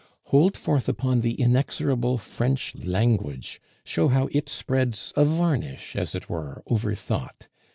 Hold forth upon the inexorable French language; show how it spreads a varnish, as it were, over thought.